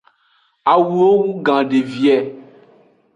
Awuo wugan devie.